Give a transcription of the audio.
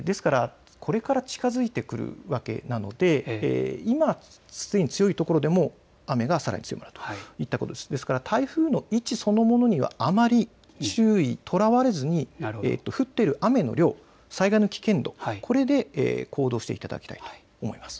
ですから、これから近づいてくるわけなので今すでに強い所でも雨がさらに強まるといったところ、ですから、台風の位置そのものにはあまりとらわれずに、降っている雨の量、災害の危険度、これで行動していただきたいと思います。